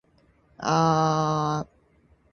本を読むと時間を忘れてしまいます。